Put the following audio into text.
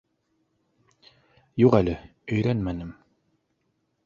— Юҡ әле, өйрәнмәнем.